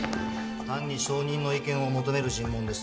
単に証人の意見を求める尋問です